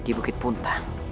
di bukit puntang